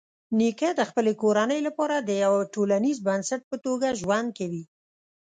نیکه د خپلې کورنۍ لپاره د یوه ټولنیز بنسټ په توګه ژوند کوي.